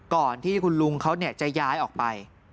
ก่อนที่คุณลุงเขาจะย้ายออกไป